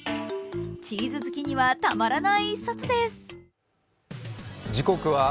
チーズ好きにはたまらない一冊です。